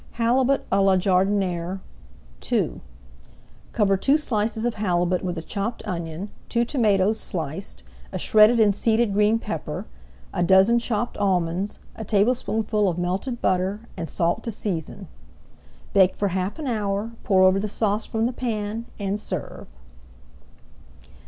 HALIBUT À LA JARDINIÈRE II Cover two slices of halibut with a chopped onion, two tomatoes sliced, a shredded and seeded green pepper, a dozen chopped almonds, a tablespoonful of melted butter, and salt to season. Bake for half an hour, pour over the sauce from the pan, and serve.